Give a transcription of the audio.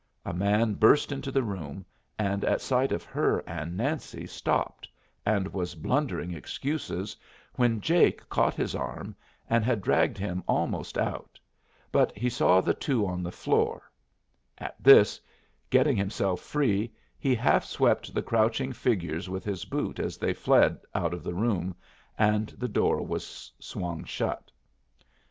A man burst into the room, and at sight of her and Nancy stopped, and was blundering excuses, when Jake caught his arm and had dragged him almost out, but he saw the two on the floor; at this, getting himself free, he half swept the crouching figures with his boot as they fled out of the room, and the door was swung shut.